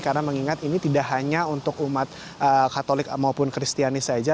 karena mengingat ini tidak hanya untuk umat katolik maupun kristianis saja